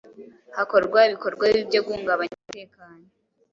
hakorwa ibikorwa bibi byo guhungabanya umutekano